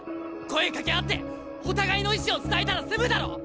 声かけ合ってお互いの意思を伝えたら済むだろ！